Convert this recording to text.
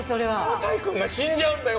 雅也君が死んじゃうんだよ！